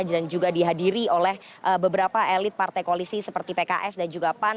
dan juga dihadiri oleh beberapa elit partai koalisi seperti pks dan juga pan